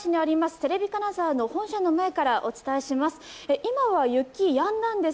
テレビ金沢の本社の前からお伝えします。